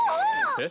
えっ？